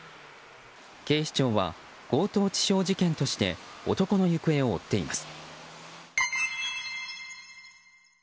警視庁は強盗致傷事件として男の行方を追っています。